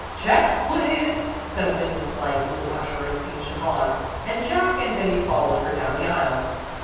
"Checks, please," said a businesslike little usher in pink chiffon, and Jack and Betty followed her down the aisle.